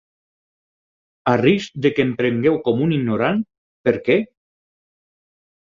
A risc de que em prengueu com un ignorant, per què?